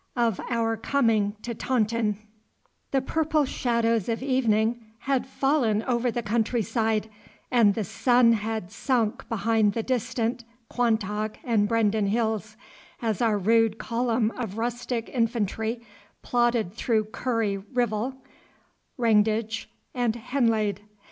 Of our Coming to Taunton The purple shadows of evening had fallen over the countryside, and the sun had sunk behind the distant Quantock and Brendon Hills, as our rude column of rustic infantry plodded through Curry Rivell, Wrantage, and Henlade.